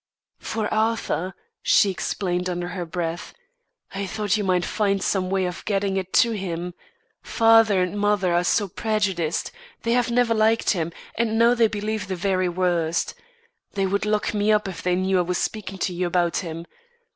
"For Arthur," she explained under her breath. "I thought you might find some way of getting it to him. Father and mother are so prejudiced. They have never liked him, and now they believe the very worst. They would lock me up if they knew I was speaking to you about him.